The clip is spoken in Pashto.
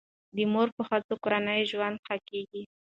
د مور په هڅو کورنی ژوند ښه کیږي.